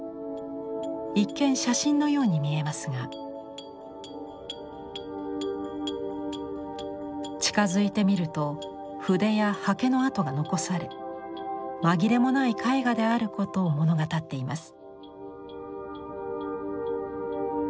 一見写真のように見えますが近づいて見ると筆や刷毛の跡が残され紛れもない絵画であることを物語っています。